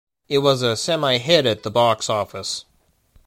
It was a 'Semi-Hit' at the box office.